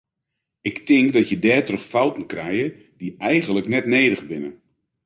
Ik tink dat je dêrtroch fouten krije dy eigenlik net nedich binne.